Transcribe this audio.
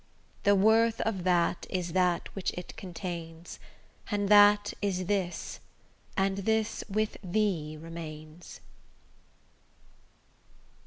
The worth of that is that which it contains, And that is this, and this with thee remains.